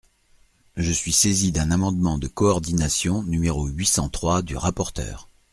Je suis saisi d’un amendement de coordination numéro huit cent trois du rapporteur.